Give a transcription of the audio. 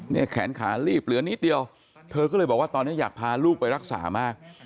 แขนขาลีบเหลือนิดเดียวเธอก็เลยบอกว่าตอนนี้อยากพาลูกไปรักษามาก